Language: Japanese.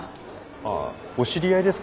ああお知り合いですか？